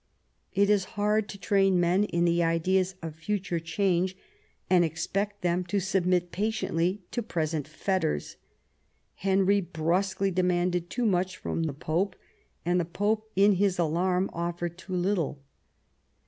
It is hard to train men in the ideas of future change, and expect them to submit patiently to present fetters. Henry brusquely de manded too much from the Pope, and the Pope in his alarm offered too little.